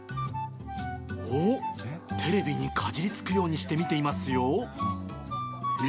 おおっ、テレビにかじりつくようにして見ていますよ。